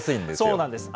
そうなんです。